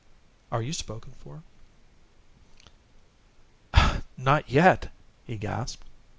Are you spoken for?" "Not yet," he gasped.